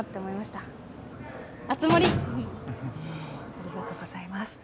ありがとうございます。